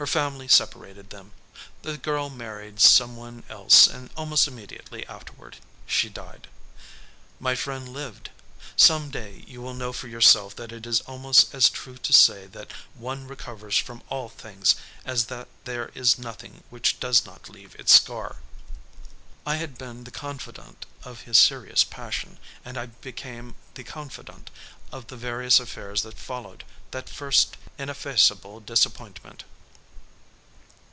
Her family separated them. The girl married some one else and almost immediately afterward she died. My friend lived. Some day you will know for yourself that it is almost as true to say that one recovers from all things as that there is nothing which does not leave its scar. I had been the confidant of his serious passion, and I became the confidant of the various affairs that followed that first ineffaceable disappointment.